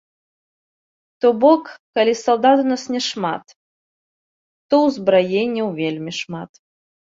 То бок, калі салдат у нас няшмат, то ўзбраенняў вельмі шмат.